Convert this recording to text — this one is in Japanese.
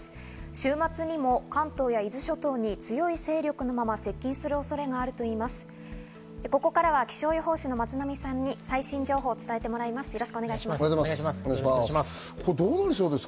週末にも関東や伊豆諸島に強い勢力のまま接近する恐れがあるといいます。